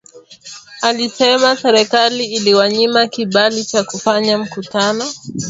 Alisema serikali iliwanyima kibali cha kufanya mkutano